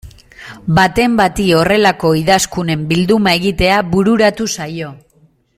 Baten bati horrelako idazkunen bilduma egitea bururatu zaio.